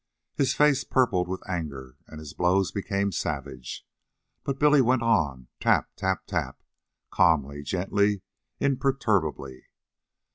His face purpled with anger, and his blows became savage. But Billy went on, tap, tap, tap, calmly, gently, imperturbably.